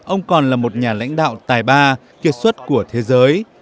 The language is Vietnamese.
ông còn là một nhà lãnh đạo tài ba kiệt xuất của thế giới